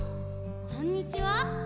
こんにちは。